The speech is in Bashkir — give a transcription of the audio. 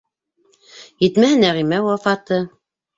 Етмәһә, Нәғимә вафаты.